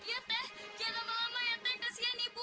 iya teh jangan lama lama ya teh kesian ibu